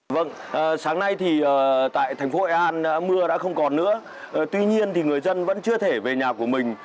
vâng sáng nay thì tại thành phố hội an mưa đã không còn nữa tuy nhiên thì người dân vẫn chưa thể về nhà của mình